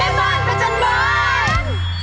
แม่บ้านเปอร์จันทร์บอล